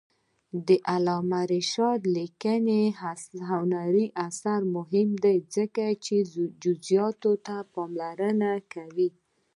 د علامه رشاد لیکنی هنر مهم دی ځکه چې جزئیاتو ته پاملرنه کوي.